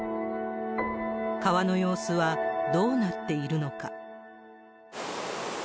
川の様子はどうなっているのか。